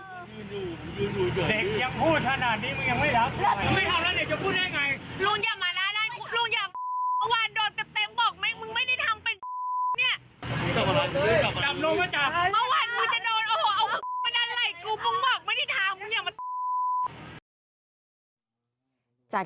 เด็กยังพูดขนาดนี้มึงยังไม่รับ